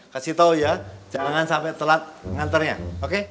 kasih tau ya jangan sampai telat nganternya oke